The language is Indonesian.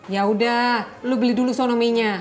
yaudah lu beli dulu sono mienya